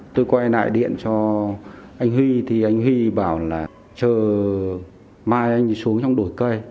tôi quay lại điện cho anh huy thì anh huy bảo là chờ mai anh xuống trong đổi cây